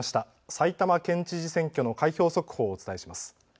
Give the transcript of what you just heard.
埼玉県知事選挙の開票速報をお伝えします。